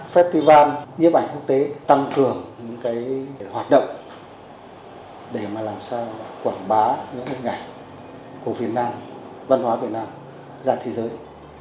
festival nhếp ảnh quốc tế tăng cường những cái hoạt động để làm sao quảng bá những hình ảnh của việt nam văn hóa việt nam ra thế giới